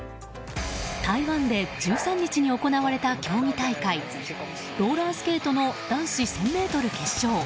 台湾で１３日に行われた競技大会ローラースケートの男子１０００ｍ決勝。